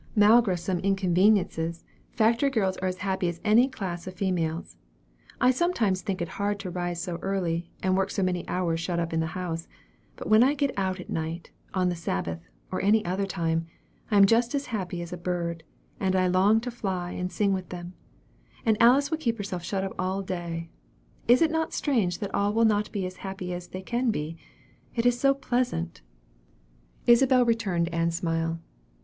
"Malgre some inconveniences, factory girls are as happy as any class of females. I sometimes think it hard to rise so early, and work so many hours shut up in the house. But when I get out at night, on the Sabbath, or at any other time, I am just as happy as a bird, and long to fly and sing with them. And Alice will keep herself shut up all day. Is it not strange that all will not be as happy as they can be? It is so pleasant." Isabel returned Ann's smile.